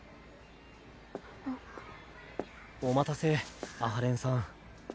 お待たせ阿波連さん。